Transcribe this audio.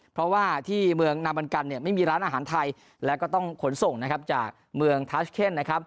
เพราะที่เมืองนามันกันไม่มีร้านอาหารไทยและก็ต้องขนส่งจากเมืองทัชเค่น